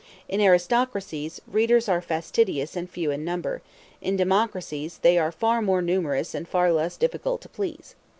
In aristocracies, readers are fastidious and few in number; in democracies, they are far more numerous and far less difficult to please.